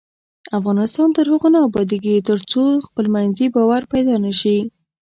افغانستان تر هغو نه ابادیږي، ترڅو خپلمنځي باور پیدا نشي.